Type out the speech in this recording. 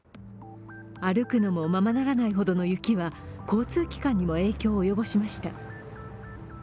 歩くのもままならないほどの雪は交通機関にも影響を及ぼしました。